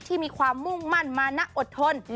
ที่มีความมุ่งมั่นมานะอดทน